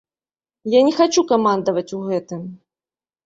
Я не хачу камандаваць у гэтым.